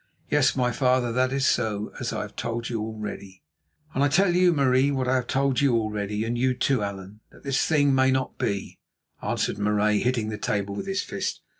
"Yes, my father, that is so, as I have told you already." "And I tell you, Marie, what I have told you already, and you too, Allan, that this thing may not be," answered Marais, hitting the table with his fist.